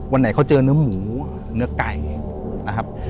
วันไหนเขาเจอเนื้อหมูเนื้อไก่นะครับ